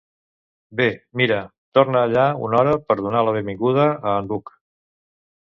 Bé, mira, torna allà una hora per donar la benvinguda a en Buck.